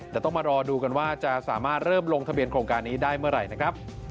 แต่ต้องมารอดูกันว่าจะสามารถเริ่มลงทะเบียนโครงการนี้ได้เมื่อไหร่นะครับ